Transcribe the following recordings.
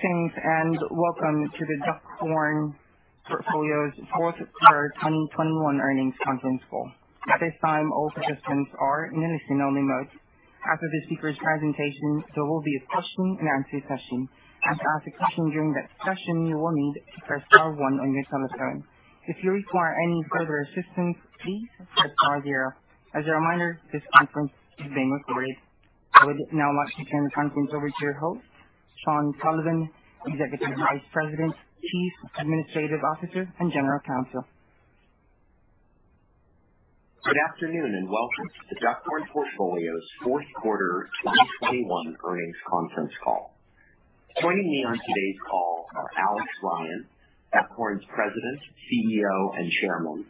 Welcome to The Duckhorn Portfolio's fourth quarter 2021 earnings conference call. At this time, all participants are in listen only mode. After the speaker's presentation, there will be a question-and-answer session. To ask a question during that session, you will need to press star one on your telephone. If you require any further assistance, please press star zero. As a reminder, this conference is being recorded. I would now like to turn the conference over to your host, Sean Sullivan, Executive Vice President, Chief Administrative Officer, and General Counsel. Good afternoon, and welcome to the Duckhorn Portfolio's fourth quarter 2021 earnings conference call. Joining me on today's call are Alex Ryan, Duckhorn's President, CEO, and Chairman,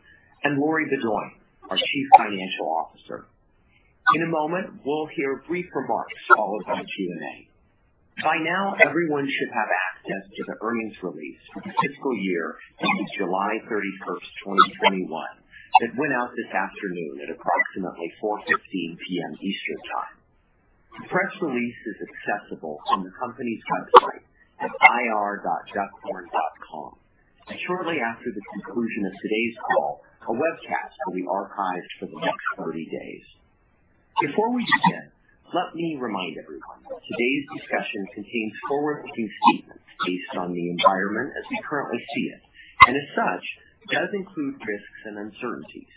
and Lori Beaudoin, our Chief Financial Officer. In a moment, we'll hear brief remarks followed by a Q&A. By now, everyone should have access to the earnings release for the fiscal year ending July 31st, 2021, that went out this afternoon at approximately 4:15 P.M. Eastern Time. The press release is accessible on the company's website at ir.duckhorn.com. Shortly after the conclusion of today's call, a webcast will be archived for the next 30 days. Before we begin, let me remind everyone, today's discussion contains forward-looking statements based on the environment as we currently see it, and as such, does include risks and uncertainties.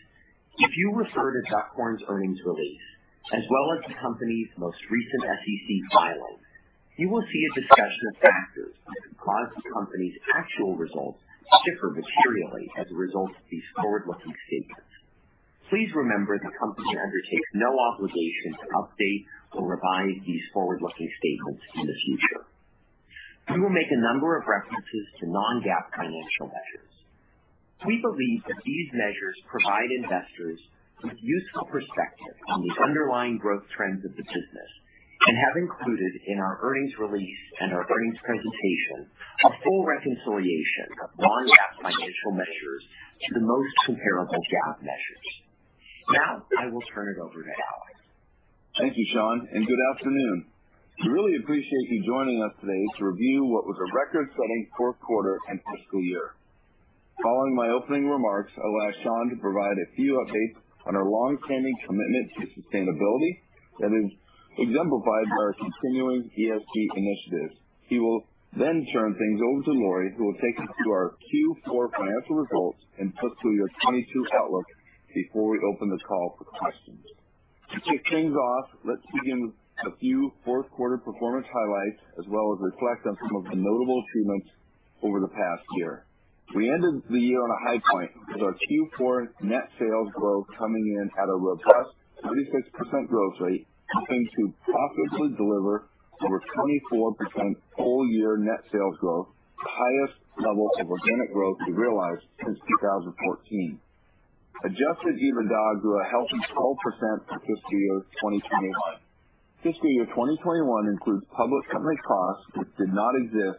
If you refer to Duckhorn's earnings release, as well as the company's most recent SEC filing, you will see a discussion of factors that could cause the company's actual results to differ materially as a result of these forward-looking statements. Please remember, the company undertakes no obligation to update or revise these forward-looking statements in the future. We will make a number of references to non-GAAP financial measures. We believe that these measures provide investors with a useful perspective on the underlying growth trends of the business, and have included in our earnings release and our earnings presentation a full reconciliation of non-GAAP financial measures to the most comparable GAAP measures. Now, I will turn it over to Alex. Thank you, Sean. Good afternoon. We really appreciate you joining us today to review what was a record-setting fourth quarter and fiscal year. Following my opening remarks, I'll ask Sean to provide a few updates on our longstanding commitment to sustainability that is exemplified by our continuing ESG initiatives. He will then turn things over to Lori, who will take us through our Q4 financial results and fiscal year 2022 outlook before we open the call for questions. To kick things off, let's begin with a few fourth-quarter performance highlights, as well as reflect on some of the notable achievements over the past year. We ended the year on a high point with our Q4 net sales growth coming in at a robust 36% growth rate, continuing to profitably deliver over 24% full year net sales growth, the highest level of organic growth we realized since 2014. Adjusted EBITDA grew a healthy 12% for fiscal year 2021. Fiscal year 2021 includes public company costs, which did not exist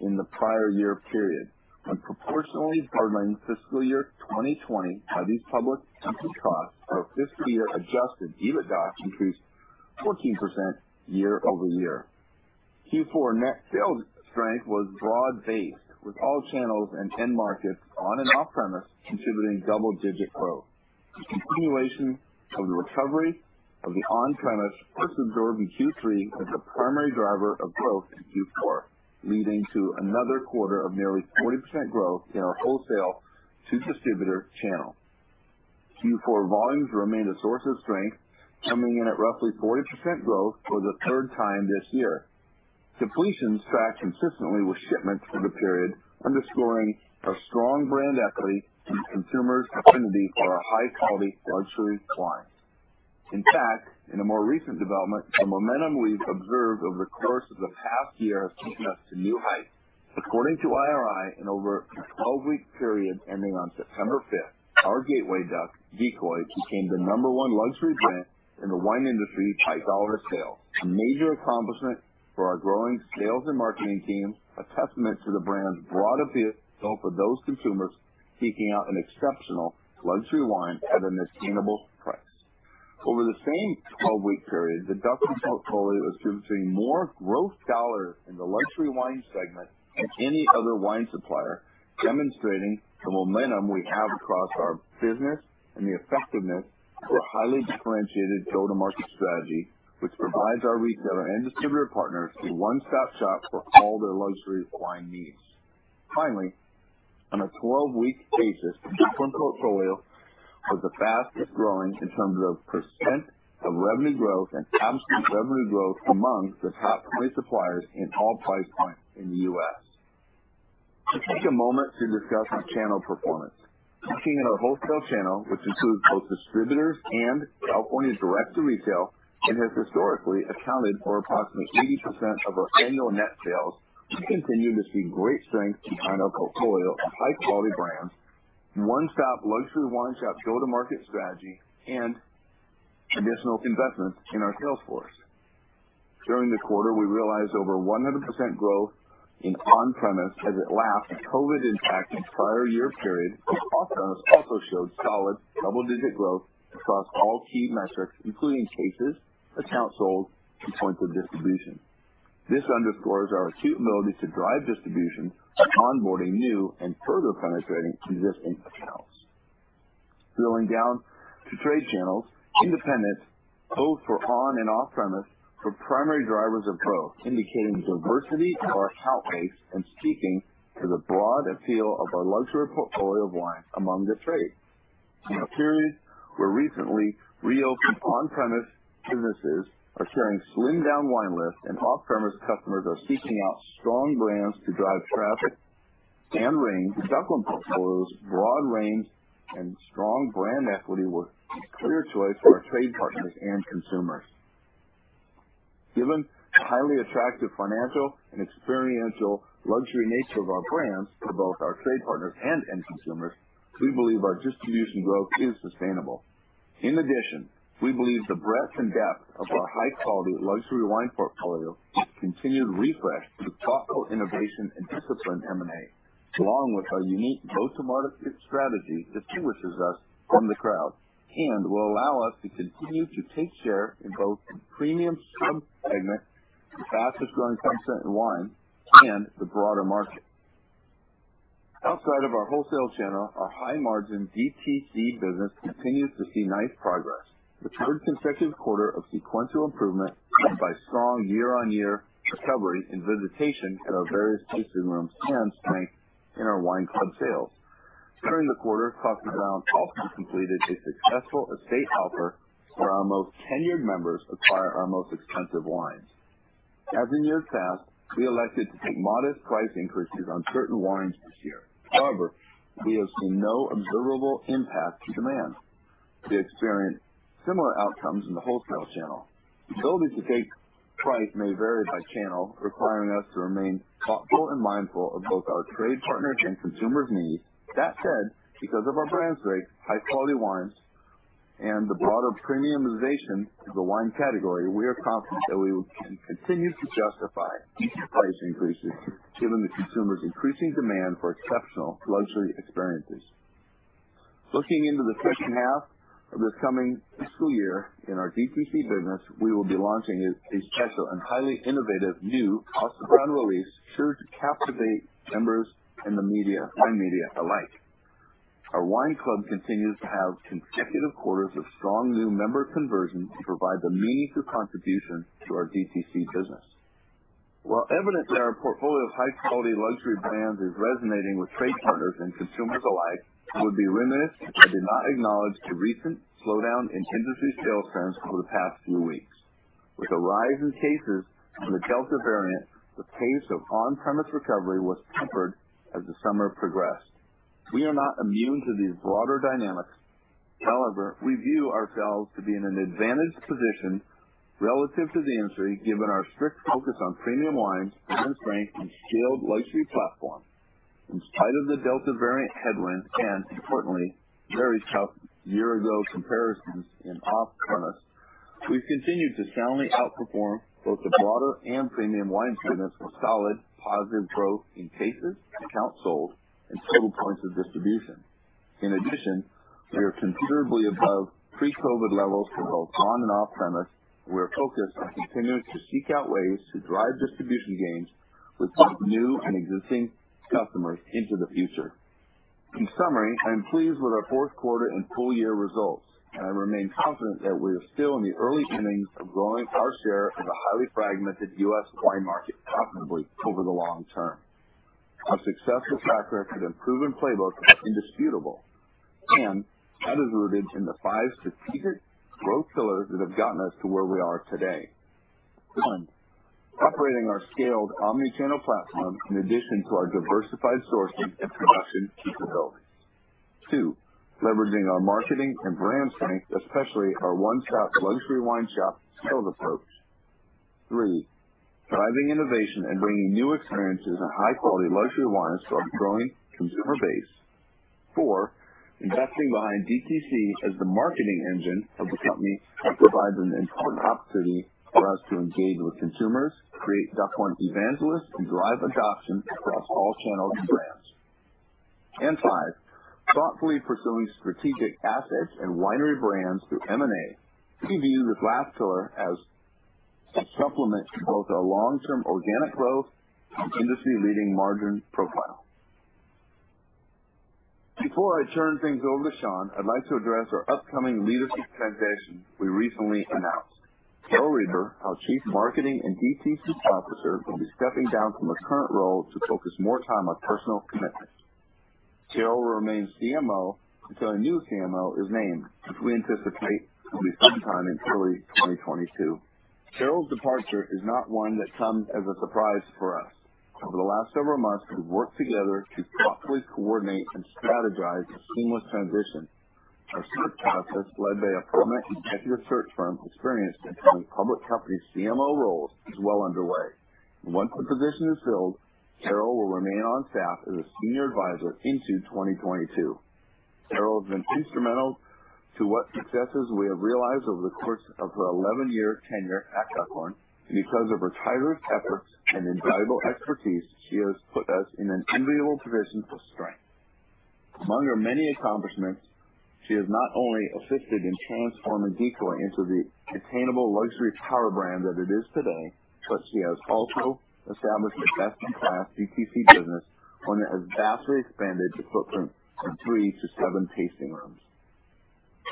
in the prior year period. When proportionally partnering fiscal year 2020 by these public company costs, our fiscal year adjusted EBITDA increased 14% year-over-year. Q4 net sales strength was broad-based, with all channels and end markets on- and off-premise contributing double-digit growth. The continuation of the recovery of the on-premise first observed in Q3 was the primary driver of growth in Q4, leading to another quarter of nearly 40% growth in our wholesale to distributor channel. Q4 volumes remained a source of strength, coming in at roughly 40% growth for the third time this year. Depletions tracked consistently with shipments for the period, underscoring a strong brand equity and consumers' affinity for our high-quality luxury wines. In a more recent development, the momentum we've observed over the course of the past year has taken us to new heights. According to IRI, in over a 12-week period ending on September 5th, our gateway duck, Decoy, became the number one luxury brand in the wine industry by dollar sales. A major accomplishment for our growing sales and marketing team, a testament to the brand's broad appeal for those consumers seeking out an exceptional luxury wine at an attainable price. Over the same 12-week period, The Duckhorn Portfolio was servicing more growth dollars in the luxury wine segment than any other wine supplier, demonstrating the momentum we have across our business and the effectiveness of a highly differentiated go-to-market strategy, which provides our reseller and distributor partners a one-stop shop for all their luxury wine needs. On a 12-week basis, The Duckhorn Portfolio was the fastest growing in terms of % of revenue growth and absolute revenue growth among the top 20 suppliers in all price points in the U.S. Let's take a moment to discuss our channel performance. Looking at our wholesale channel, which includes both distributors and California's direct-to-retail and has historically accounted for approximately 80% of our annual net sales, we continue to see great strength behind our portfolio of high-quality brands, one-stop luxury wine shop go-to-market strategy, and additional investments in our sales force. During the quarter, we realized over 100% growth in on-premise, as it laps the COVID impact in the prior year period, off-premise also showed solid double-digit growth across all key metrics, including cases, accounts sold, and points of distribution. This underscores our acute ability to drive distribution by onboarding new and further penetrating existing accounts. Drilling down to trade channels, independents, both for on and off-premise, were primary drivers of growth, indicating the diversity of our account base and speaking to the broad appeal of our luxury portfolio of wine among the trade. In a period where recently re-opened on-premise businesses are carrying slimmed-down wine lists and off-premise customers are seeking out strong brands to drive traffic and range, the Duckhorn Portfolio's broad range and strong brand equity were a clear choice for our trade partners and consumers. Given the highly attractive financial and experiential luxury nature of our brands for both our trade partners and end consumers, we believe our distribution growth is sustainable. In addition, we believe the breadth and depth of our high-quality luxury wine portfolio, continued refresh through thoughtful innovation and disciplined M&A, along with our unique go-to-market strategy, distinguishes us from the crowd and will allow us to continue to take share in both the premium segment, the fastest-growing segment in wine, and the broader market. Outside of our wholesale channel, our high-margin DTC business continues to see nice progress. The third consecutive quarter of sequential improvement led by strong year-on-year recovery in visitation at our various tasting rooms and strength in our wine club sales. During the quarter, Kosta Browne also completed a successful estate offer where our most tenured members acquired our most expensive wines. As in years past, we elected to take modest price increases on certain wines this year. However, we have seen no observable impact to demand. We experienced similar outcomes in the wholesale channel. The ability to take price may vary by channel, requiring us to remain thoughtful and mindful of both our trade partner and consumer's needs. That said, because of our brand strength, high-quality wines, and the broader premiumization of the wine category, we are confident that we can continue to justify price increases given the consumer's increasing demand for exceptional luxury experiences. Looking into the second half of this coming fiscal year, in our DTC business, we will be launching a special and highly innovative new Kosta Browne release, sure to captivate members and the wine media alike. Our wine club continues to have consecutive quarters of strong new member conversions to provide a meaningful contribution to our DTC business. While evidently our portfolio of high-quality luxury brands is resonating with trade partners and consumers alike, it would be remiss if I did not acknowledge the recent slowdown in industry sales trends over the past few weeks. With a rise in cases of the Delta variant, the pace of on-premise recovery was tempered as the summer progressed. We are not immune to these broader dynamics. However, we view ourselves to be in an advantaged position relative to the industry, given our strict focus on premium wines and strength in scaled luxury platforms. In spite of the Delta variant headwinds and, importantly, very tough year-ago comparisons in off-premise, we've continued to soundly outperform both the broader and premium wine segments with solid positive growth in cases, accounts sold, and total points of distribution. In addition, we are considerably above pre-COVID levels for both on and off-premise, and we're focused on continuing to seek out ways to drive distribution gains with both new and existing customers into the future. In summary, I am pleased with our fourth quarter and full-year results, and I remain confident that we are still in the early innings of growing our share of the highly fragmented U.S. wine market profitably over the long term. Our success thus far can improve in playbook indisputable, and that is rooted in the five strategic growth pillars that have gotten us to where we are today. One, operating our scaled omni-channel platform in addition to our diversified sourcing and production capabilities. Two, leveraging our marketing and brand strength, especially our one-stop luxury wine shop sales approach. Three, driving innovation and bringing new experiences and high-quality luxury wines to our growing consumer base. Four, investing behind DTC as the marketing engine of the company that provides an important opportunity for us to engage with consumers, create Duckhorn evangelists, and drive adoption across all channels and brands. Five, thoughtfully pursuing strategic assets and winery brands through M&A. We view this last pillar as a supplement to both our long-term organic growth and industry-leading margin profile. Before I turn things over to Sean, I'd like to address our upcoming leadership transition we recently announced. Carol Reber, our Chief Marketing and DTC Officer, will be stepping down from her current role to focus more time on personal commitments. Carol will remain CMO until a new CMO is named, which we anticipate will be sometime in early 2022. Carol's departure is not one that comes as a surprise for us. Over the last several months, we've worked together to thoughtfully coordinate and strategize a seamless transition. Our search process, led by a prominent executive search firm experienced in public company CMO roles, is well underway. Once the position is filled will remain on staff as a senior advisor into 2022. Carol has been instrumental to what successes we have realized over the course of her 11-year tenure at Duckhorn, and because of her tireless efforts and invaluable expertise, she has put us in an enviable position of strength. Among her many accomplishments, she has not only assisted in transforming Decoy into the attainable luxury power brand that it is today, but she has also established a best-in-class DTC business, one that has vastly expanded its footprint from 3 to 7 tasting rooms.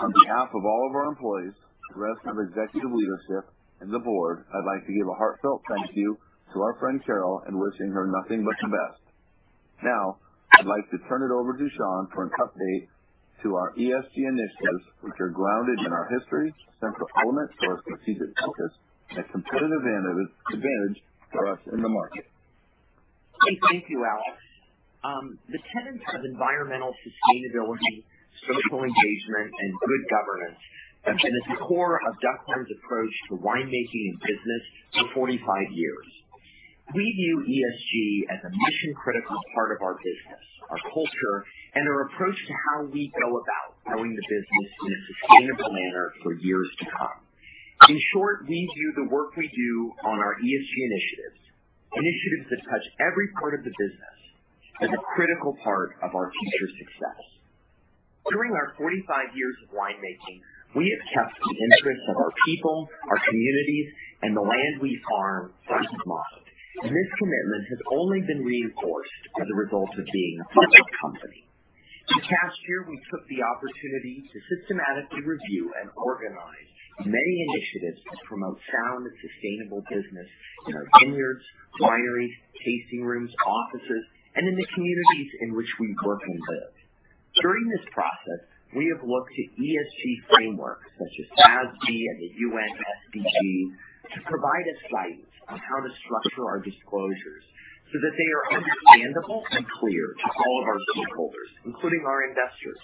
On behalf of all of our employees, the rest of the executive leadership, and the board, I'd like to give a heartfelt thank you to our friend Carol and wishing her nothing but the best. Now, I'd like to turn it over to Sean for an update to our ESG initiatives, which are grounded in our history, a central element to our strategic focus, and a competitive advantage for us in the market. Thank you, Alex. The tenets of environmental sustainability, social engagement, and good governance have been at the core of Duckhorn's approach to winemaking and business for 45 years. We view ESG as a mission-critical part of our business, our culture, and our approach to how we go about growing the business in a sustainable manner for years to come. In short, we view the work we do on our ESG initiatives that touch every part of the business as a critical part of our future success. During our 45 years of winemaking, we have kept the interests of our people, our communities, and the land we farm front of mind, and this commitment has only been reinforced as a result of being a public company. In the past year, we took the opportunity to systematically review and organize many initiatives that promote sound and sustainable business in our vineyards, wineries, tasting rooms, offices, and in the communities in which we work and live. During this process, we have looked to ESG frameworks such as SASB and the UN SDG to provide us guidance on how to structure our disclosures so that they are understandable and clear to all of our stakeholders, including our investors.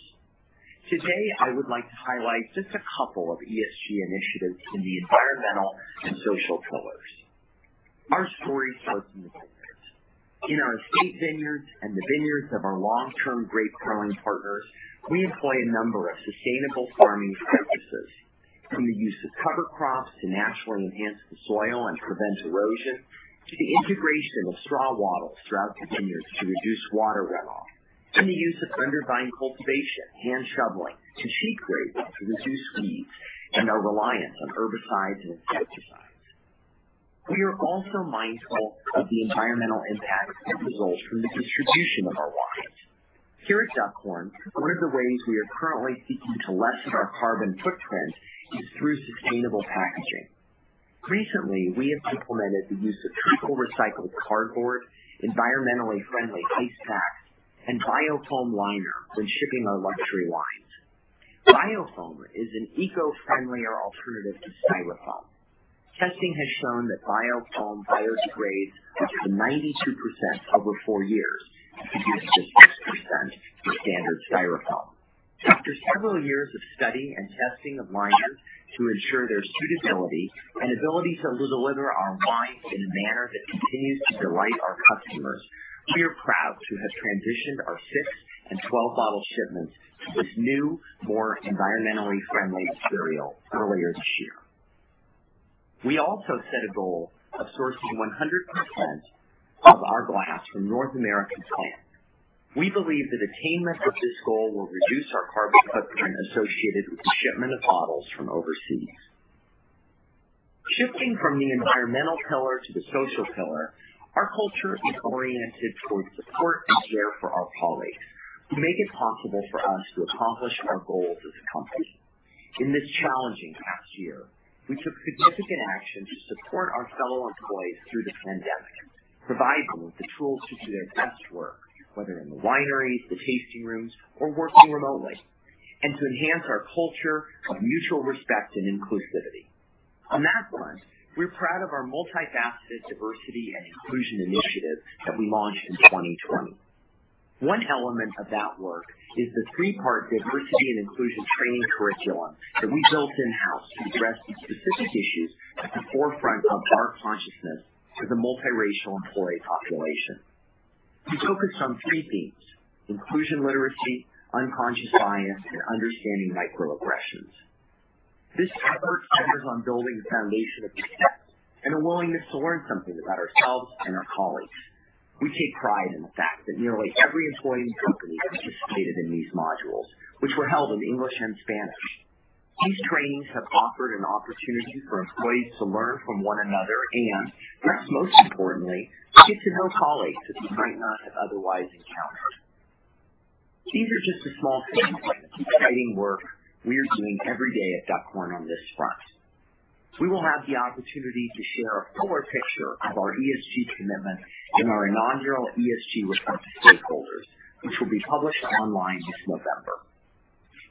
Today, I would like to highlight just a couple of ESG initiatives in the environmental and social pillars. Our story starts in the vineyards. In our estate vineyards and the vineyards of our long term grape growing partners, we employ a number of sustainable farming practices, from the use of cover crops to naturally enhance the soil and prevent erosion, to the integration of straw wattles throughout the vineyards to reduce water runoff, and the use of undervine cultivation, hand shoveling, to shake grapes to reduce weeds and our reliance on herbicides and insecticides. We are also mindful of the environmental impact that results from the distribution of our wines. Here at Duckhorn, one of the ways we are currently seeking to lessen our carbon footprint is through sustainable packaging. Recently, we have implemented the use of triple-recycled cardboard, environmentally friendly case packs, and BioFoam liner when shipping our luxury wines. BioFoam is an eco-friendlier alternative to Styrofoam. Testing has shown that BioFoam biodegrades up to 92% over 4 years, compared to 6% for standard Styrofoam. After several years of study and testing of liners to ensure their suitability and ability to deliver our wines in a manner that continues to delight our customers, we are proud to have transitioned our 6 and 12-bottle shipments to this new, more environmentally friendly material earlier this year. We also set a goal of sourcing 100% of our glass from North American plants. We believe that attainment of this goal will reduce our carbon footprint associated with the shipment of bottles from overseas. Shifting from the environmental pillar to the social pillar, our culture is oriented towards support and care for our colleagues, who make it possible for us to accomplish our goals as a company. In this challenging past year, we took significant action to support our fellow employees through the pandemic, provide them with the tools to do their best work, whether in the wineries, the tasting rooms, or working remotely, and to enhance our culture of mutual respect and inclusivity. On that front, we're proud of our multifaceted Diversity and Inclusion Initiative that we launched in 2020. One element of that work is the three-part Diversity and Inclusion Training Curriculum that we built in-house to address the specific issues at the forefront of our consciousness as a multiracial employee population. We focused on three themes, Inclusion Literacy, Unconscious Bias, and Understanding Microaggressions. This effort centers on building a foundation of acceptance and a willingness to learn something about ourselves and our colleagues. We take pride in the fact that nearly every employee in the company has participated in these modules, which were held in English and Spanish. These trainings have offered an opportunity for employees to learn from one another and, perhaps most importantly, get to know colleagues that we might not have otherwise encountered. These are just a small sampling of the exciting work we are doing every day at Duckhorn on this front. We will have the opportunity to share a fuller picture of our ESG commitment in our annual ESG report to stakeholders, which will be published online this November.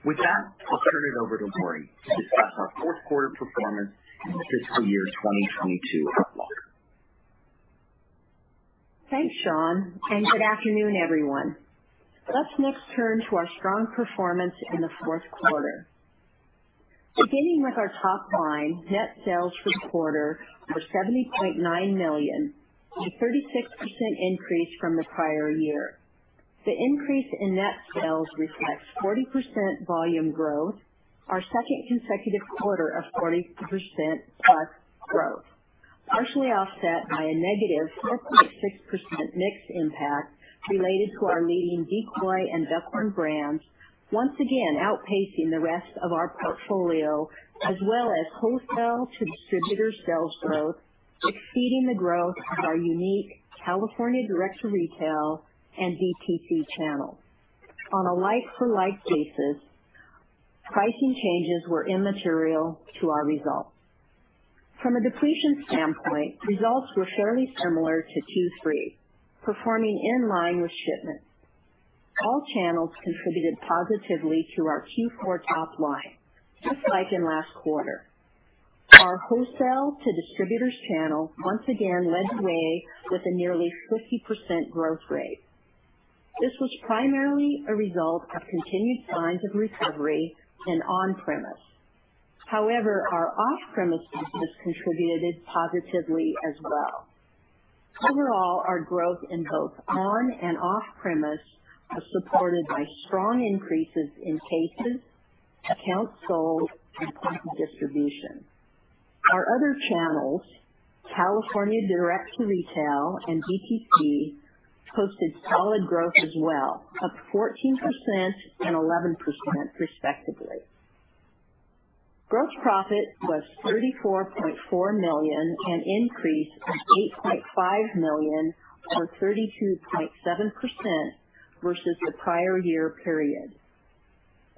With that, I'll turn it over to Lori to discuss our fourth quarter performance and the fiscal year 2022 outlook. Thanks, Sean, and good afternoon, everyone. Let's next turn to our strong performance in the fourth quarter. Beginning with our top line, net sales for the quarter were $70.9 million, a 36% increase from the prior year. The increase in net sales reflects 40% volume growth, our second consecutive quarter of 40% plus growth, partially offset by a negative 4.6% mix impact related to our leading Decoy and Duckhorn brands, once again outpacing the rest of our portfolio, as well as wholesale to distributor sales growth exceeding the growth of our unique California direct to retail and DTC channels. On a like-for-like basis, pricing changes were immaterial to our results. From a depletion standpoint, results were fairly similar to Q3, performing in line with shipments. All channels contributed positively to our Q4 top line, just like in last quarter. Our wholesale to distributors channel once again led the way with a nearly 50% growth rate. This was primarily a result of continued signs of recovery in on-premise. However, our off-premise business contributed positively as well. Overall, our growth in both on and off-premise was supported by strong increases in cases, accounts sold, and points of distribution. Our other channels, California direct to retail and DTC, posted solid growth as well of 14% and 11%, respectively. Gross profit was $34.4 million, an increase of $8.5 million or 32.7% versus the prior year period.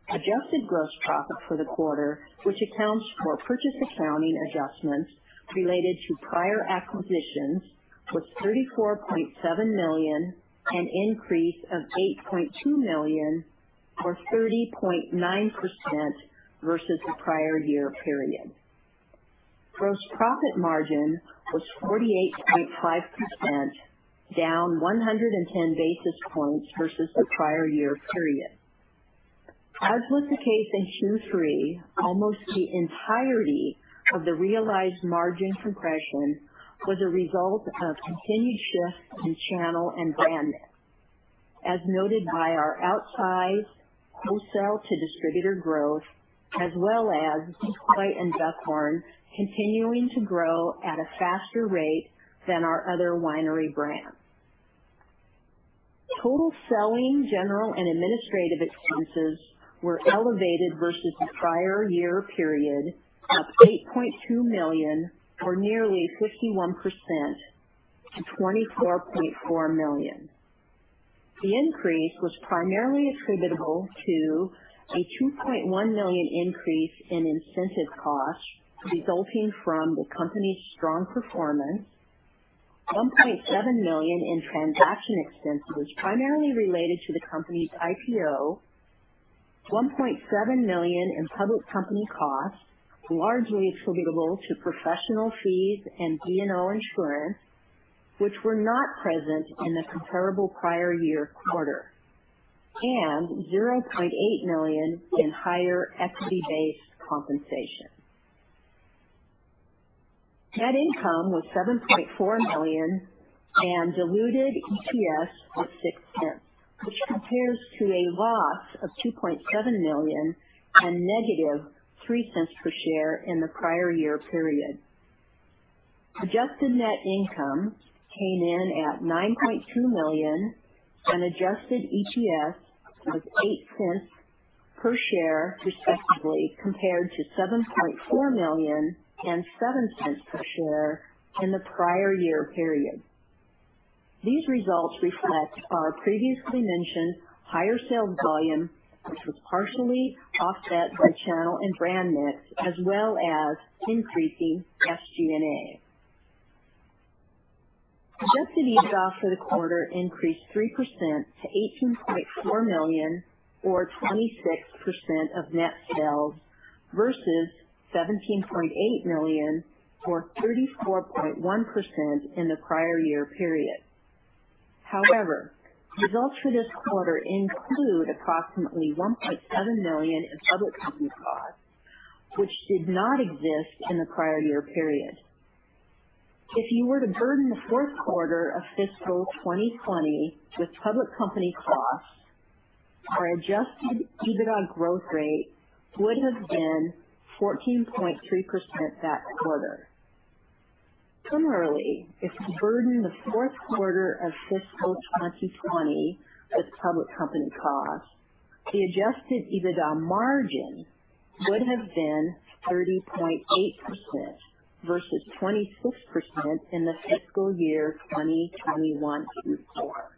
Adjusted gross profit for the quarter, which accounts for purchase accounting adjustments related to prior acquisitions, was $34.7 million, an increase of $8.2 million or 30.9% versus the prior year period. Gross profit margin was 48.5%, down 110 basis points versus the prior year period. As was the case in Q3, almost the entirety of the realized margin compression was a result of continued shifts in channel and brand mix, as noted by our outsized wholesale to distributor growth, as well as Decoy and Duckhorn continuing to grow at a faster rate than our other winery brands. Total selling, general, and administrative expenses were elevated versus the prior year period of $8.2 million, or nearly 51%, to $24.4 million. The increase was primarily attributable to a $2.1 million increase in incentive costs resulting from the company's strong performance, $1.7 million in transaction expenses primarily related to the company's IPO, $1.7 million in public company costs largely attributable to professional fees and D&O insurance, which were not present in the comparable prior year quarter, and $0.8 million in higher equity-based compensation. Net income was $7.4 million, and diluted EPS of $0.06, which compares to a loss of $2.7 million and -$0.03 per share in the prior year period. Adjusted net income came in at $9.2 million, and adjusted EPS was $0.08 per share, respectively, compared to $7.4 million and $0.07 per share in the prior year period. These results reflect our previously mentioned higher sales volume, which was partially offset by channel and brand mix, as well as increasing SG&A. Adjusted EBITDA for the quarter increased 3% to $18.4 million or 26% of net sales versus $17.8 million or 34.1% in the prior year period. Results for this quarter include approximately $1.7 million in public company costs, which did not exist in the prior year period. If you were to burden the 4th quarter of fiscal 2020 with public company costs, our adjusted EBITDA growth rate would have been 14.3% that quarter. Similarly, if you burden the 4th quarter of fiscal 2020 with public company costs, the adjusted EBITDA margin would have been 30.8% versus 26% in the fiscal year 2021 through four.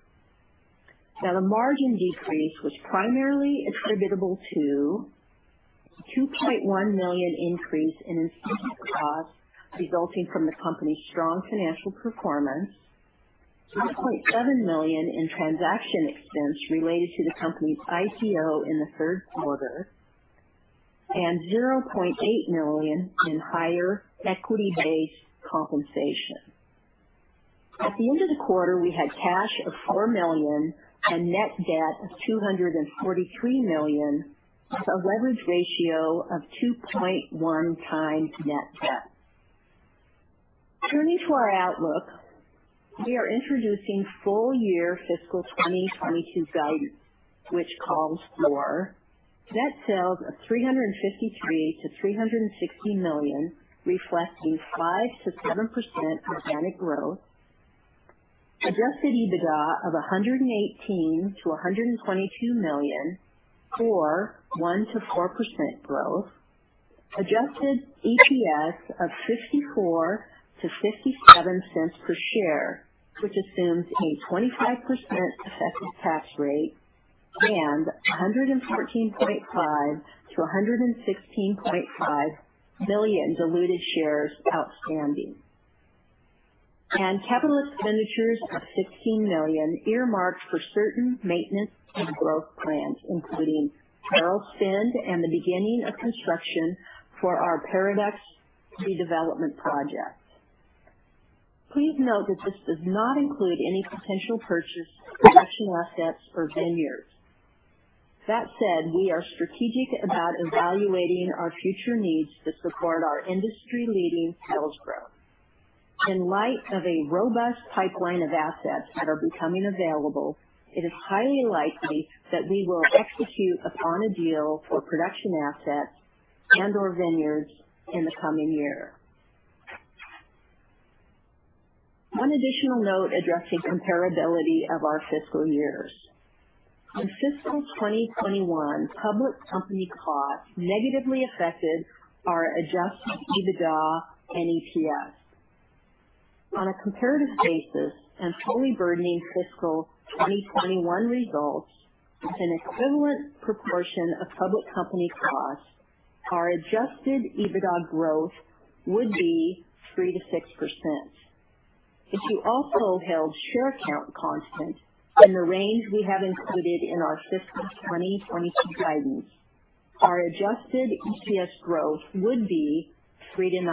The margin decrease was primarily attributable to $2.1 million increase in incentive costs resulting from the company's strong financial performance, $2.7 million in transaction expense related to the company's IPO in the 3rd quarter, and $0.8 million in higher equity-based compensation. At the end of the quarter, we had cash of $4 million and net debt of $243 million, with a leverage ratio of 2.1 times net debt. Turning to our outlook, we are introducing full-year fiscal 2022 guidance, which calls for net sales of $353 million-$360 million, reflecting 5%-7% organic growth. Adjusted EBITDA of $118 million-$122 million, or 1%-4% growth. Adjusted EPS of $0.54-$0.57 per share, which assumes a 25% effective tax rate, and 114.5 million-116.5 million diluted shares outstanding. Capital expenditures of $16 million earmarked for certain maintenance and growth plans, including barrel spend and the beginning of construction for our Paraduxx redevelopment project. Please note that this does not include any potential purchase of production assets or vineyards. That said, we are strategic about evaluating our future needs to support our industry-leading sales growth. In light of a robust pipeline of assets that are becoming available, it is highly likely that we will execute upon a deal for production assets and/or vineyards in the coming year. One additional note addressing comparability of our fiscal years. In fiscal 2021, public company costs negatively affected our adjusted EBITDA and EPS. On a comparative basis and fully burdening fiscal 2021 results with an equivalent proportion of public company costs, our adjusted EBITDA growth would be 3%-6%. If you also held share count constant in the range we have included in our fiscal 2022 guidance, our adjusted EPS growth would be 3%-9%.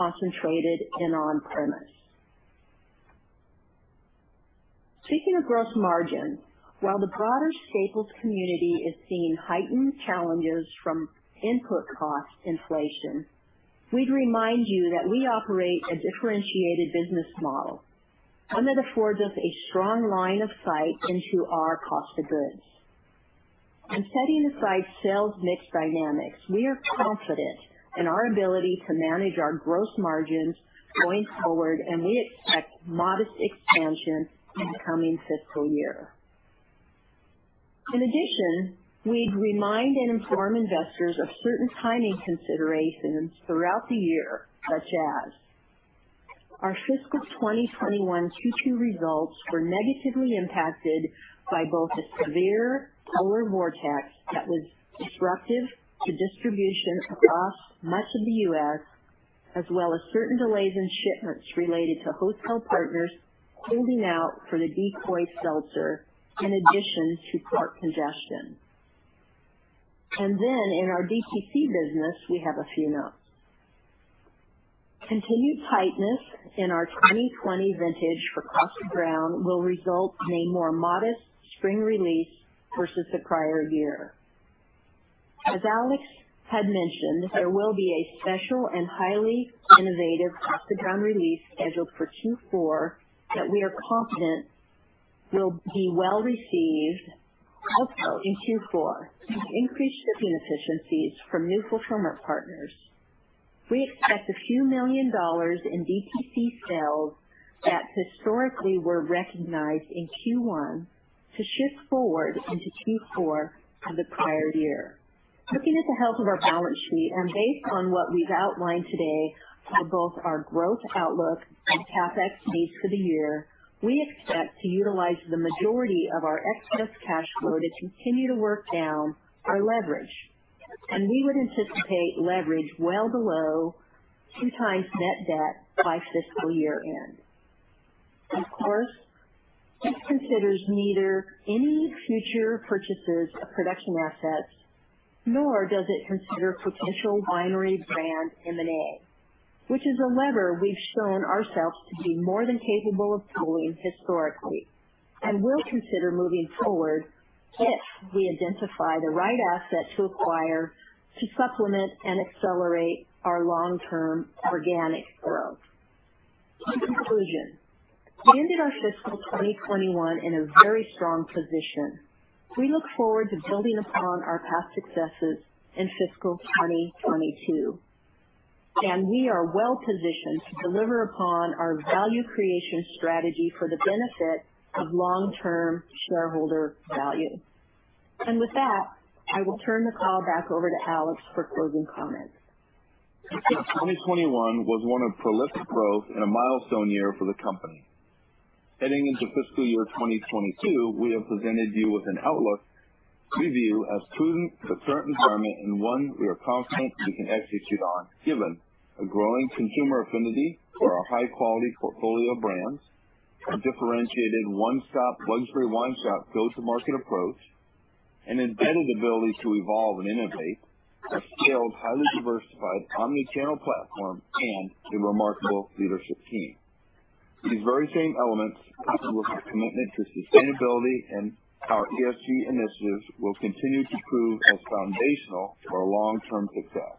Concentrated in on-premise. Speaking of gross margin, while the broader staples community is seeing heightened challenges from input cost inflation, we'd remind you that we operate a differentiated business model, one that affords us a strong line of sight into our cost of goods. Setting aside sales mix dynamics, we are confident in our ability to manage our gross margins going forward, and we expect modest expansion in the coming fiscal year. In addition, we'd remind and inform investors of certain timing considerations throughout the year, such as our fiscal 2021 Q2 results were negatively impacted by both a severe polar vortex that was disruptive to distribution across much of the U.S., as well as certain delays in shipments related to hotel partners holding out for the Decoy Seltzer, in addition to port congestion. In our DTC business, we have a few notes. Continued tightness in our 2020 vintage for Canvasback will result in a more modest spring release versus the prior year. As Alex had mentioned, there will be a special and highly innovative Canvasback release scheduled for Q4 that we are confident will be well received. Also in Q4, with increased shipping efficiencies from new fulfillment partners, we expect a few million dollars in DTC sales that historically were recognized in Q1 to shift forward into Q4 of the prior year. Looking at the health of our balance sheet and based on what we've outlined today for both our growth outlook and CapEx needs for the year, we expect to utilize the majority of our excess cash flow to continue to work down our leverage, and we would anticipate leverage well below two times net debt by fiscal year-end. Of course, this considers neither any future purchases of production assets nor does it consider potential winery brand M&A, which is a lever we've shown ourselves to be more than capable of pulling historically, and will consider moving forward if we identify the right asset to acquire to supplement and accelerate our long-term organic growth. In conclusion, we ended our fiscal 2021 in a very strong position. We look forward to building upon our past successes in fiscal 2022. We are well-positioned to deliver upon our value creation strategy for the benefit of long-term shareholder value. With that, I will turn the call back over to Alex for closing comments. 2021 was one of prolific growth and a milestone year for the company. Heading into fiscal year 2022, we have presented you with an outlook we view as prudent for the current environment and one we are confident we can execute on, given a growing consumer affinity for our high-quality portfolio of brands, our differentiated one-stop luxury wine shop go-to-market approach, an embedded ability to evolve and innovate, a scaled, highly diversified omni-channel platform, and a remarkable leadership team. These very same elements, plus our commitment to sustainability and our ESG initiatives, will continue to prove foundational for our long-term success.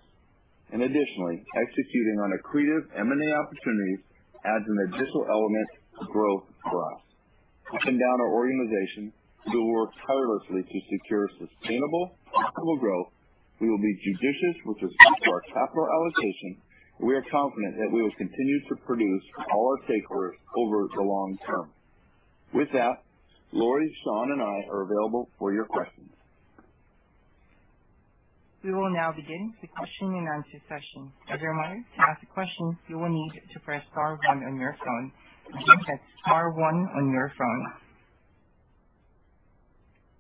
Additionally, executing on accretive M&A opportunities adds an additional element of growth for us. Up and down our organization, we will work tirelessly to secure sustainable, profitable growth. We will be judicious with respect to our capital allocation. We are confident that we will continue to produce for all our stakeholders over the long term. With that, Lori, Sean, and I are available for your questions. We will now begin the question and answer session. As a reminder, to ask a question, you will need to press star one on your phone. Again, press star one on your phone.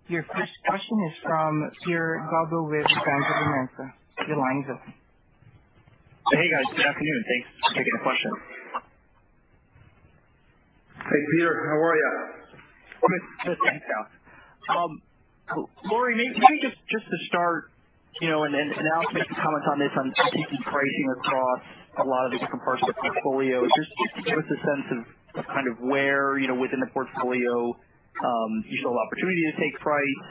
Your first question is from Peter Galbo with Bank of America. Your line is open. Hey, guys. Good afternoon. Thanks for taking the question. Hey, Peter. How are you? Good. Thanks, Alex. Lori, maybe just to start, and Alex, maybe comment on this, on taking pricing across a lot of the different parts of the portfolio. Just give us a sense of where within the portfolio you saw an opportunity to take price.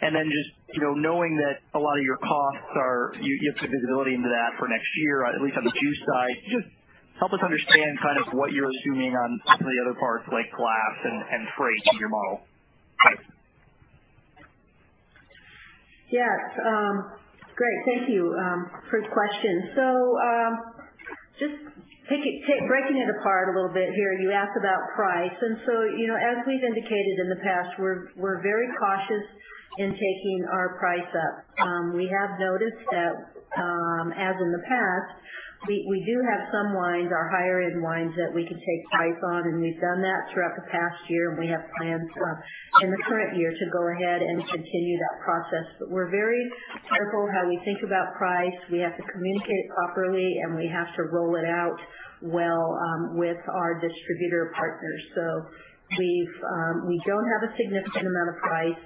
Then, just knowing that a lot of your costs, you have some visibility into that for next year, at least on the juice side, can you just help us understand what you're assuming on some of the other parts, like glass and freight in your model? Thanks. Yes. Great. Thank you. Great question. Just breaking it apart a little bit here, you asked about price. As we've indicated in the past, we're very cautious in taking our price up. We have noticed that, as in the past, we do have some wines, our higher-end wines, that we can take price on, and we've done that throughout the past year, and we have plans for, in the current year, to go ahead and continue that process. We're very careful how we think about price. We have to communicate properly, and we have to roll it out well with our distributor partners. We don't have a significant amount of price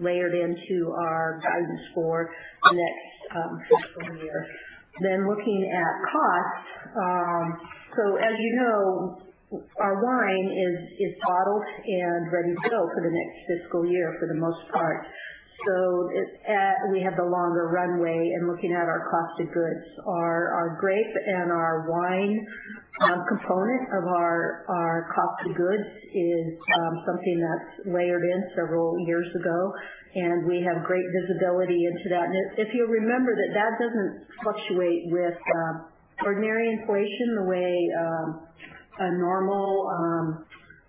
layered into our guidance for the next fiscal year. Looking at costs, as you know, our wine is bottled and ready to go for the next fiscal year for the most part. We have the longer runway in looking at our cost of goods. Our grape and our wine component of our cost of goods is something that's layered in several years ago, and we have great visibility into that. If you'll remember that that doesn't fluctuate with ordinary inflation the way a normal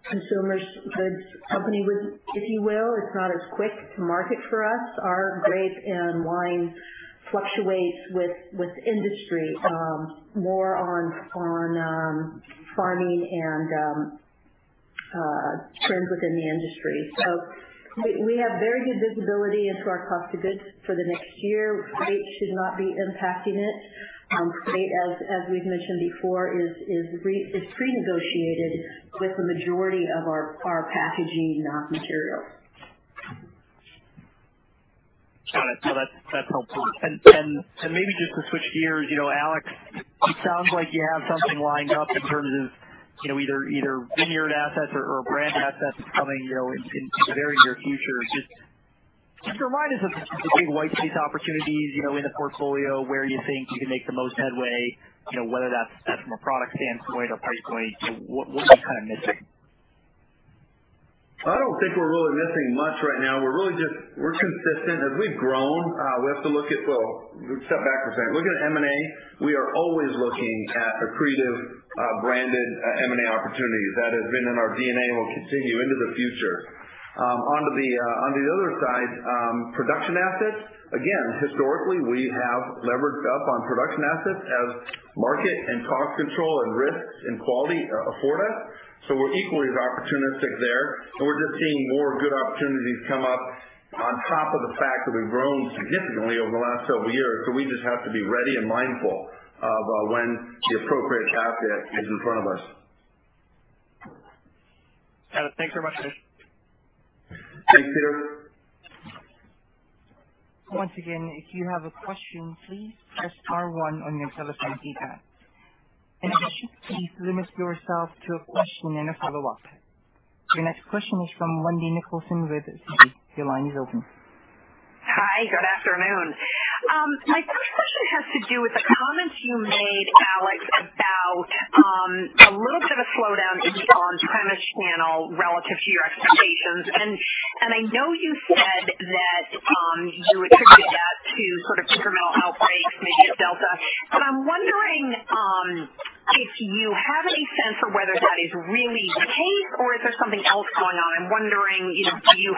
consumer goods company would, if you will. It's not as quick to market for us. Our grape and wine fluctuates with industry, more on farming and trends within the industry. We have very good visibility into our cost of goods for the next year. Freight should not be impacting it. Freight, as we've mentioned before, is pre-negotiated with the majority of our packaging materials. Got it. That's helpful. Maybe just to switch gears, Alex, it sounds like you have something lined up in terms of either vineyard assets or brand assets coming in the very near future. Just remind us of the big white space opportunities in the portfolio where you think you can make the most headway, whether that's from a product standpoint or price point. What are you missing? I don't think we're really missing much right now. We're consistent. As we've grown, we have to look at Well, let me step back for a second. Looking at M&A, we are always looking at accretive, branded M&A opportunities. That has been in our DNA and will continue into the future. Onto the other side, production assets, again, historically, we have levered up on production assets as market and cost control, and risks and quality afford us. We're equally as opportunistic there, and we're just seeing more good opportunities come up on top of the fact that we've grown significantly over the last several years. We just have to be ready and mindful of when the appropriate asset is in front of us. Got it. Thanks very much, guys. Thanks, Peter. Once again, if you have a question, please press star one on your telephone keypad. If you could please limit yourself to a question and a follow-up. Your next question is from Wendy Nicholson with Citigroup. Your line is open. Hi, good afternoon. My first question has to do with the comments you made, Alex, about a slowdown in the on-premise channel relative to your expectations. I know you said that you attributed that to incremental outbreaks, maybe of Delta, but I'm wondering if you have any sense for whether that is really the case, or if there's something else going on? I'm wondering, is there a correlation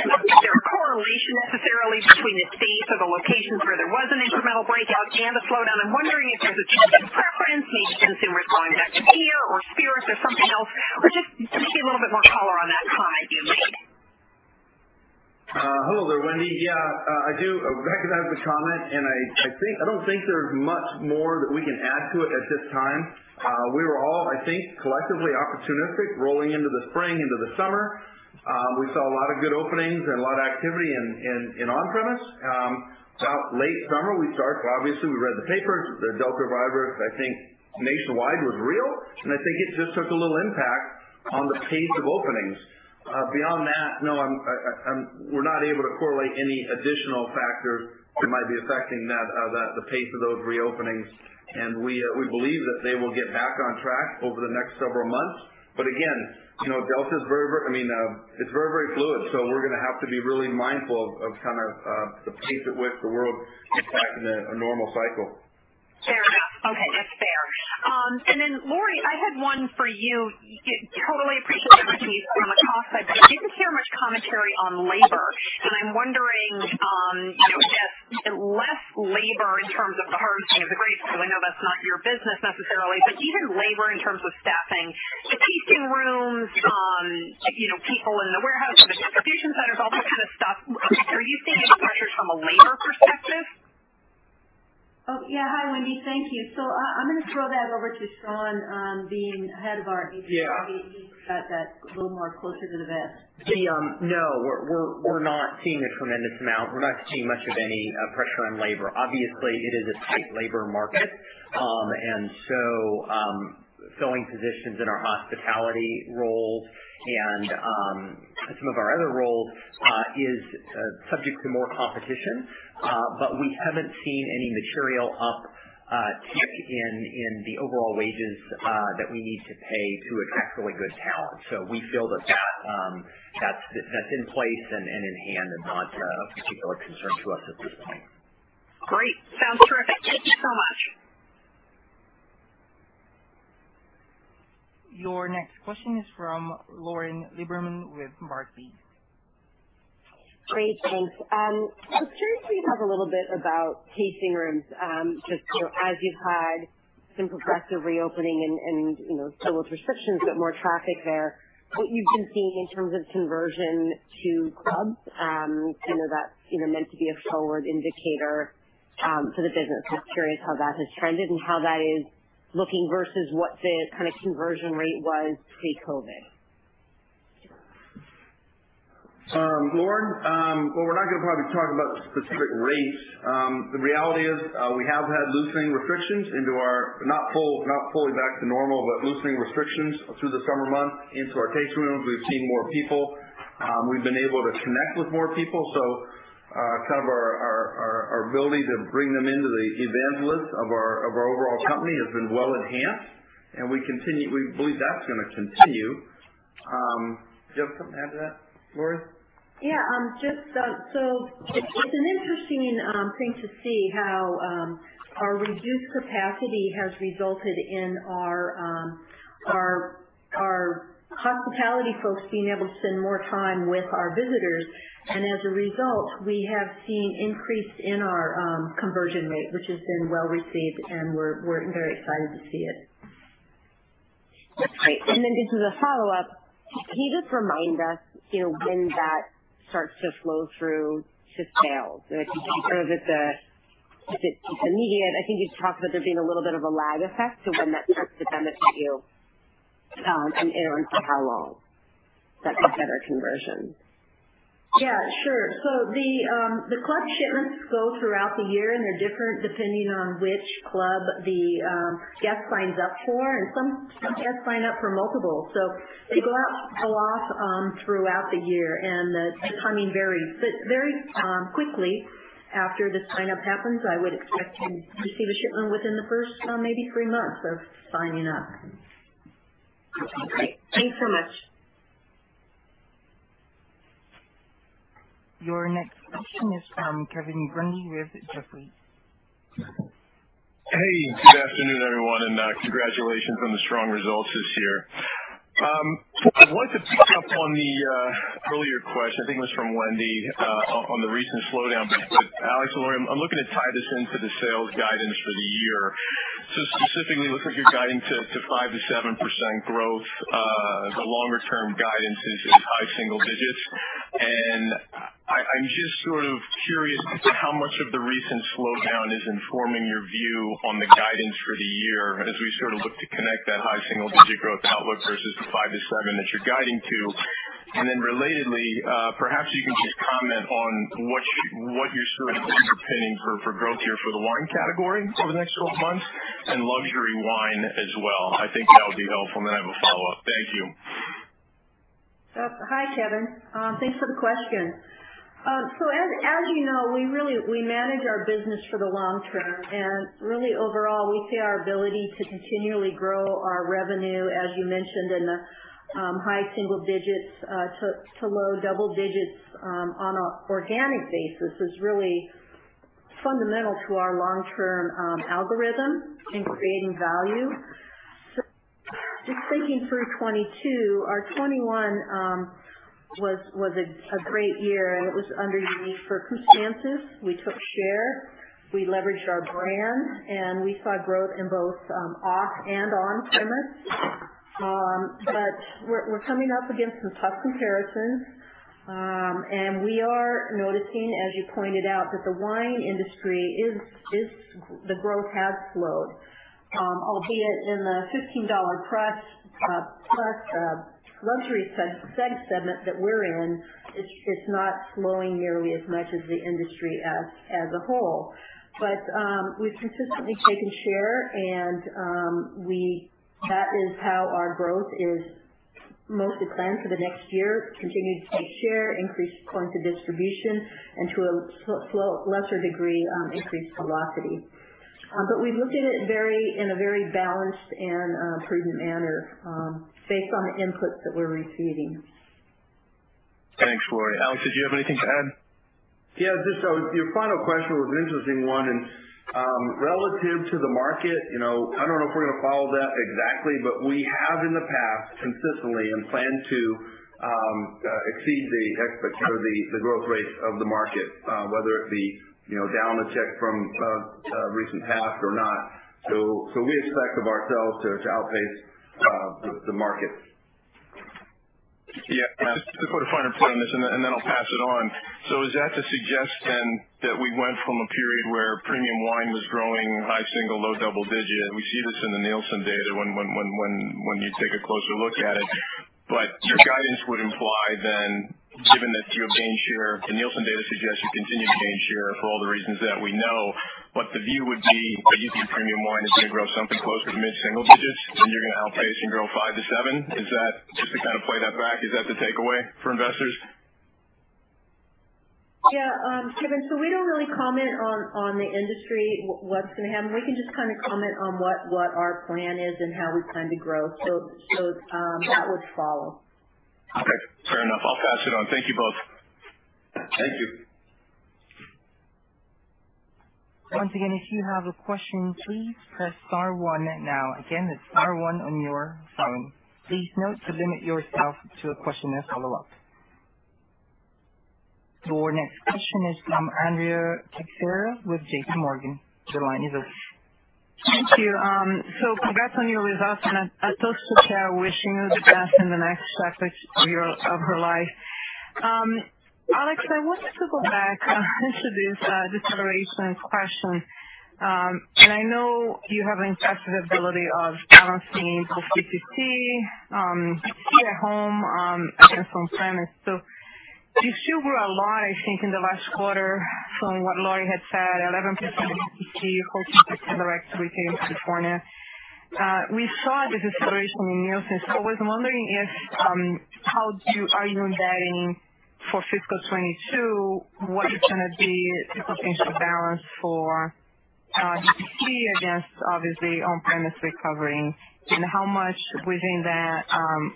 necessarily between the states or the locations where there was an incremental breakout and a slowdown? I'm wondering if there's a change in preference, maybe consumers going back to beer or spirits or something else, or just maybe a little bit more color on that front, if you may. Hello there, Wendy. Yeah, I do recognize the comment, and I don't think there's much more that we can add to it at this time. We were all, I think, collectively opportunistic rolling into the spring, into the summer. We saw a lot of good openings and a lot of activity in on-premise. Late summer, obviously, we read the papers. The Delta virus, I think, nationwide was real, and I think it just took a little impact on the pace of openings. Beyond that, no, we're not able to correlate any additional factor that might be affecting the pace of those reopenings, and we believe that they will get back on track over the next several months. Again, Delta, it's very fluid, we're going to have to be really mindful of the pace at which the world gets back in a normal cycle. Fair enough. Okay, that's fair. Lori, I had one for you. I totally appreciate everything you said from a cost side, but I didn't hear much commentary on labor, and I'm wondering, less labor in terms of the harvesting of the grapes, because I know that's not your business necessarily, but even labor in terms of staffing the tasting rooms, people in the warehouse, and the distribution centers, all those kind of stuff. Are you seeing any pressures from a labor perspective? Oh, yeah. Hi, Wendy. Thank you. I'm going to throw that over to Sean, being. Yeah. He's got that a little more closer to the vest. No, we're not seeing a tremendous amount. We're not seeing much of any pressure on labor. Obviously, it is a tight labor market, filling positions in our hospitality roles and some of our other roles is subject to more competition. We haven't seen any material uptick in the overall wages that we need to pay to attract really good talent. We feel that that's in place and in hand and not of particular concern to us at this point. Great. Sounds terrific. Thank you so much. Your next question is from Lauren Lieberman with Barclays. Great. Thanks. I was curious if you could talk a little bit about tasting rooms. Just as you've had some progressive reopening and still with restrictions, but more traffic there, what you've been seeing in terms of conversion to club is meant to be a forward indicator for the business. Just curious how that has trended and how that is looking versus what the conversion rate was pre-COVID. Lauren, well, we're not going to talk about specific rates. The reality is, we have had loosening restrictions, not fully back to normal, but loosening restrictions through the summer months into our tasting rooms. We've seen more people. We've been able to connect with more people. Our ability to bring them into the evangelists of our overall company has been well enhanced, and we believe that's going to continue. Do you have something to add to that, Lori? It's an interesting thing to see how our reduced capacity has resulted in our hospitality folks being able to spend more time with our visitors. As a result, we have seen increase in our conversion rate, which has been well received, and we're very excited to see it. Great. Then, just as a follow-up, can you just remind us when that starts to flow through to sales? If it's immediate, I think you talked about there being a little bit of a lag effect to when that starts to benefit you, and for how long that better conversion? Yeah, sure. The club shipments go throughout the year, and they're different depending on which club the guest signs up for, and some guests sign up for multiple. They go out throughout the year, and the timing varies. Very quickly after the sign-up happens, I would expect to receive a shipment within the first, maybe three months of signing up. Okay, great. Thanks so much. Your next question is from Kevin Grundy with Jefferies. Hey, good afternoon, everyone, and congratulations on the strong results this year. I wanted to pick up on the earlier question, I think it was from Wendy Nicholson, on the recent slowdown. Alex Ryan and Lori Beaudoin, I'm looking to tie this into the sales guidance for the year. Specifically, it looks like you're guiding to 5%-7% growth. The longer-term guidance is high single digits. I'm just curious as to how much of the recent slowdown is informing your view on the guidance for the year, as we look to connect that high single-digit growth outlook versus the 5%-7% that you're guiding to. Then relatedly, perhaps you can just comment on what you're sort of underpinning for growth here for the wine category over the next 12 months, and luxury wine as well. I think that would be helpful, and then I have a follow-up. Thank you. Hi, Kevin. Thanks for the question. As you know, we manage our business for the long term, and really overall, we see our ability to continually grow our revenue, as you mentioned, in the high single digits to low double digits on an organic basis, is really fundamental to our long-term algorithm in creating value. Just thinking through 2022, our 2021 was a great year, and it was under unique circumstances. We took share, we leveraged our brand, and we saw growth in both off and on-premise. We're coming up against some tough comparisons, and we are noticing, as you pointed out, that the wine industry, the growth has slowed. Albeit in the $15+ luxury segment that we're in, it's not slowing nearly as much as the industry as a whole. We've consistently taken share, and that is how our growth is mostly planned for the next year, continue to take share, increase points of distribution, and to a lesser degree, increase velocity. We've looked at it in a very balanced and prudent manner based on the inputs that we're receiving. Thanks, Lori. Alex, did you have anything to add? Yeah, just your final question was an interesting one, and relative to the market, I don't know if we're going to follow that exactly, but we have in the past consistently and plan to exceed the growth rate of the market, whether it be down a check from the recent past or not. We expect of ourselves to outpace the market. Yeah. To put a finer point on this, and then I'll pass it on. Is that the suggestion that we went from a period where premium wine was growing high single, low double-digit? We see this in the Nielsen data when you take a closer look at it. Your guidance would imply, then, given that you have gained share, the Nielsen data suggests you continue to gain share for all the reasons that we know. The view would be that you think premium wine is going to grow something closer to mid-single-digits, and you're going to outpace and grow 5%-7%. Just to kind of play that back, is that the takeaway for investors? Kevin, we don't really comment on the industry, what's going to happen. We can just comment on what our plan is and how we plan to grow. That would follow. Okay, fair enough. I'll pass it on. Thank you both. Thank you. Once again, if you have a question, please press star one now. Again, it's star one on your phone. Please note to limit yourself to a question and a follow-up. Our next question is from Andrea Teixeira with JPMorgan. Your line is open. Thank you. Congrats on your results, and a toast to Cher, wishing her the best in the next chapter of her life. Alex, I wanted to go back to this deceleration question. I know you have an impressive ability of balancing both DTC at home and on-premise. You still were above, I think, in the last quarter, from what Lori had said, 11% DTC, open to direct retail in California. We saw the deceleration in Nielsen. I was wondering, how are you embedding for fiscal 2022? What's going to be the potential balance for DTC against, obviously, on-premise recovering, and how much within that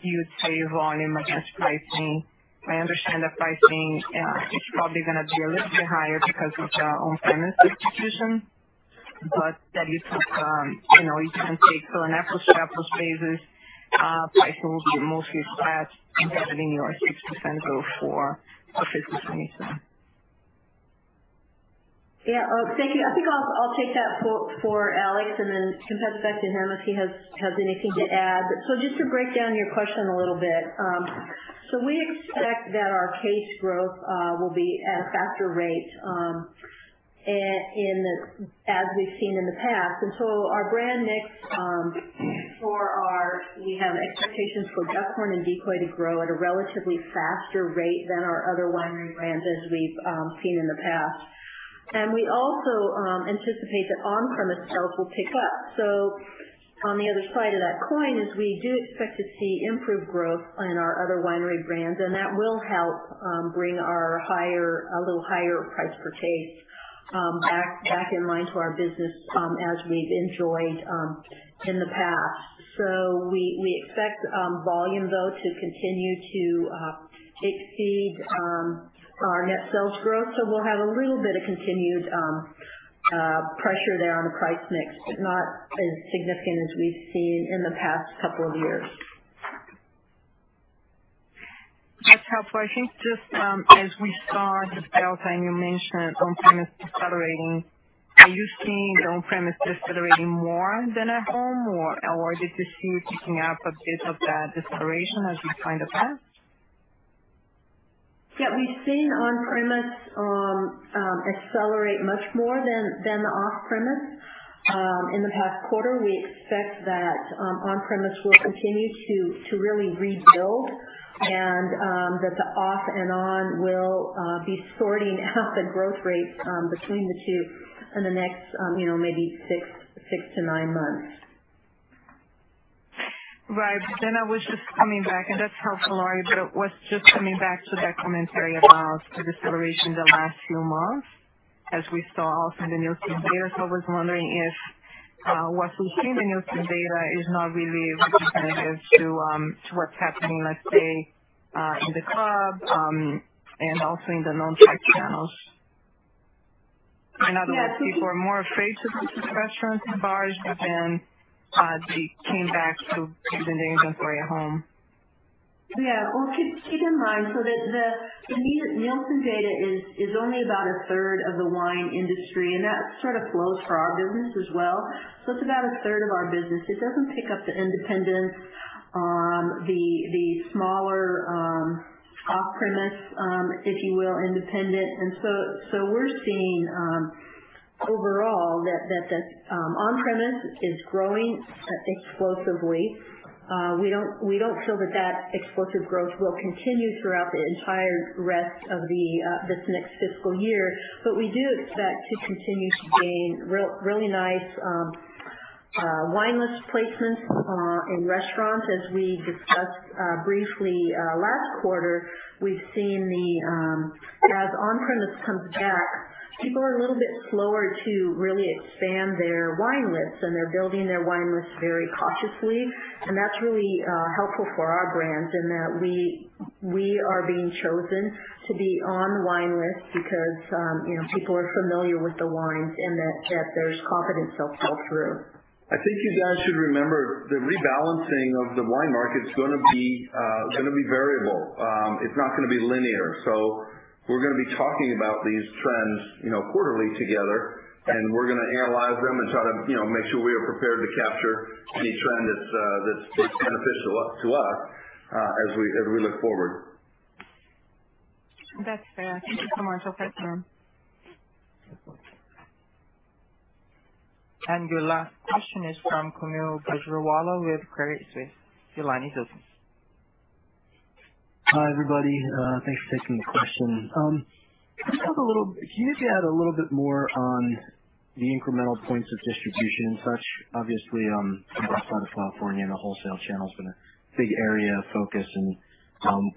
you'd say volume against pricing? I understand that pricing is probably going to be a little bit higher because of the on-premise substitution, but that you can take an pricing will be mostly flat, embedded in your 6% growth for fiscal 2022. Yeah. Thank you. I think I'll take that for Alex, then jump it back to him if he has anything to add. Just to break down your question a little bit, we expect that our case growth will be at a faster rate as we've seen in the past. Our brand mix, we have expectations for Duckhorn and Decoy to grow at a relatively faster rate than our other winery brands, as we've seen in the past. We also anticipate that on-premise sales will pick up. On the other side of that coin is we do expect to see improved growth in our other winery brands, and that will help bring a little higher price per case back in line to our business as we've enjoyed in the past. We expect volume, though, to continue to exceed our net sales growth. We'll have a little bit of continued pressure there on the price mix, but not as significant as we've seen in the past couple of years. That's helpful. I think just as we saw with Delta, you mentioned on-premise decelerating, are you seeing the on-premise decelerating more than at home, or did you see it picking up a bit of that deceleration as we saw in the past? Yeah, we've seen on-premise accelerate much more than the off-premise in the past quarter. We expect that on-premise will continue to really rebuild, and that the off and on will be sorting out the growth rate between the two in the next maybe six months-nine months. Right. I was just coming back, and that's helpful, Lori, but I was just coming back to that commentary about the deceleration the last few months, as we saw also in the Nielsen data. I was wondering if what we see in the Nielsen data is not really representative to what's happening, let's say, in the club, and also in the non-trade channels. In other words, people are more afraid to go to restaurants and bars, but then they came back to the DTC way of home. Yeah. Well, keep in mind, the Nielsen data is only about 1/3 of the wine industry, and that sort of flows for our business as well. It's about 1/3 of our business. It doesn't pick up the independents, the smaller off-premise, if you will, independent. We're seeing, overall, that on-premise is growing explosively. We don't feel that explosive growth will continue throughout the entire rest of this next fiscal year. We do expect to continue to gain really nice wine list placements in restaurants. As we discussed briefly last quarter, we've seen as on-premise comes back, people are a little bit slower to really expand their wine lists, and they're building their wine lists very cautiously, and that's really helpful for our brands in that we are being chosen to be on wine lists because people are familiar with the wines, and that there's confidence they'll pull through. I think you guys should remember the rebalancing of the wine market's going to be variable. It's not going to be linear. We're going to be talking about these trends quarterly together, and we're going to analyze them and try to make sure we are prepared to capture any trend that's beneficial to us as we look forward. That's fair. Thank you so much. I'll pass it to him. [inaudible] Your last question is from Kaumil Gajrawala with Credit Suisse. Your line is open. Hi, everybody. Thanks for taking the question. Can you just add a little bit more on the incremental points of distribution and such? Obviously, from the west side of California, the wholesale channel's been a big area of focus, and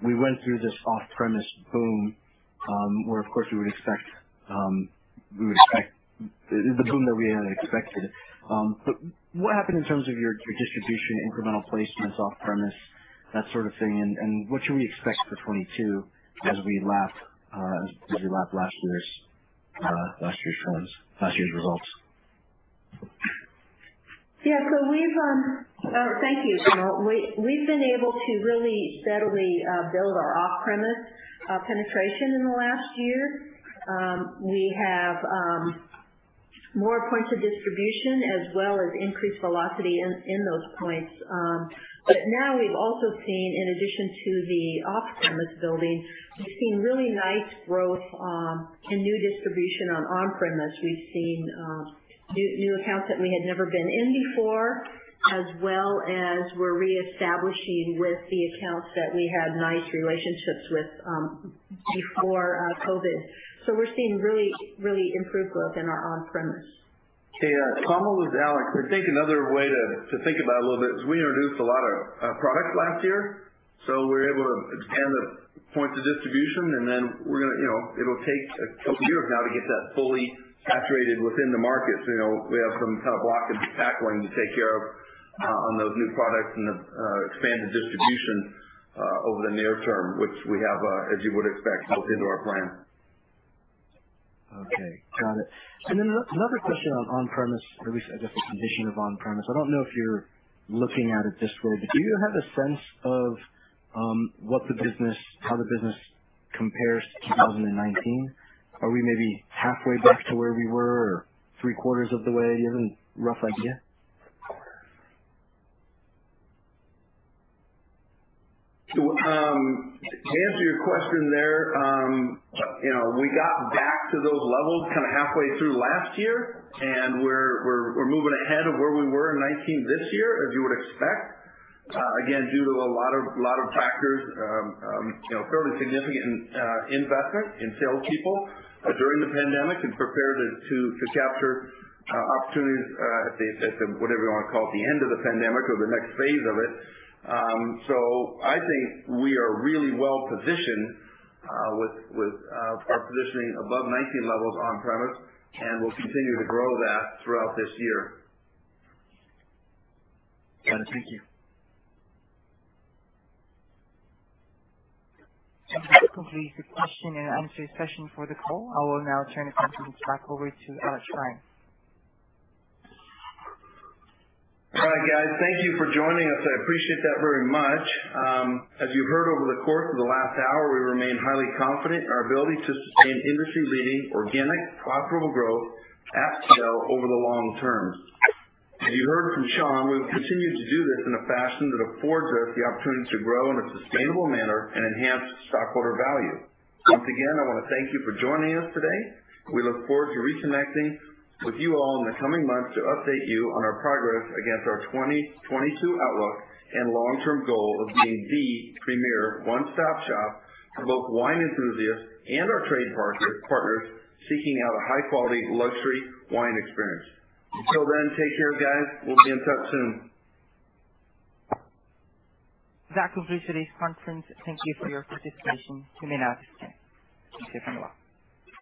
we went through this off-premise boom, where, of course, we would expect the boom that we had expected. What happened in terms of your distribution, incremental placements off-premise, that sort of thing, and what should we expect for 2022 as we lap last year's trends, last year's results? Thank you, Kaumil. We've been able to really steadily build our off-premise penetration in the last year. We have more points of distribution as well as increased velocity in those points. Now we've also seen, in addition to the off-premise building, we've seen really nice growth and new distribution on on-premise. We've seen new accounts that we had never been in before, as well as we're reestablishing with the accounts that we had nice relationships with before COVID. We're seeing really improved growth in our on-premise. Hey, Kaumil, this is Alex Ryan. I think another way to think about it a little bit is we introduced a lot of products last year. We were able to expand the points of distribution, and then it'll take two years now to get that fully saturated within the markets. We have some kind of blocking and tackling to take care of on those new products and the expanded distribution over the near term, which we have, as you would expect, built into our plan. Okay. Got it. Another question on on-premise, or at least I guess the condition of on-premise. I don't know if you're looking at it this way, but do you have a sense of how the business compares to 2019? Are we maybe halfway back to where we were, or three-quarters of the way? Do you have any rough idea? To answer your question there, we got back to those levels kind of halfway through last year, and we're moving ahead of where we were in 2019 this year, as you would expect. Due to a lot of factors, a fairly significant investment in salespeople during the pandemic, and prepared to capture opportunities at the, whatever you want to call it, the end of the pandemic or the next phase of it. I think we are really well-positioned with our positioning above 2019 levels on-premise, and we'll continue to grow that throughout this year. Got it. Thank you. That completes the question and answer session for the call. I will now turn the conference back over to Alex Ryan. All right, guys. Thank you for joining us. I appreciate that very much. As you heard over the course of the last hour, we remain highly confident in our ability to sustain industry-leading, organic, profitable growth at Duckhorn over the long term. As you heard from Sean, we will continue to do this in a fashion that affords us the opportunity to grow in a sustainable manner and enhance stockholder value. Once again, I want to thank you for joining us today. We look forward to reconnecting with you all in the coming months to update you on our progress against our 2022 outlook and long-term goal of being the premier one-stop shop for both wine enthusiasts and our trade partners seeking out a high-quality luxury wine experience. Until then, take care, guys. We'll be in touch soon. That concludes today's conference. Thank you for your participation. You may now disconnect.